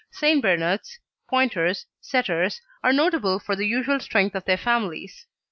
St. Bernards, Pointers, Setters are notable for the usual strength of their families.